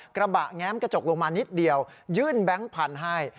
กระบะแง้มกระจกลงมานิดเดียวยื่นแบงค์พันธุ์ให้